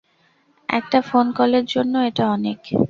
একটা ফোন কলের জন্য এটা অনেক।